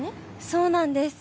そうなんです。